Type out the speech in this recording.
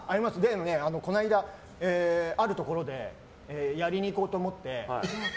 この間あるところでやりに行こうと思って。